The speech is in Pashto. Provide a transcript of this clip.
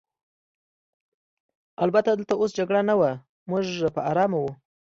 البته دلته اوس جګړه نه وه، موږ په آرامه وو.